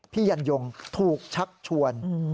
ยันยงถูกชักชวน